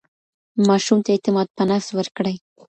ماشوم ته اعتماد په نفس ورکړئ.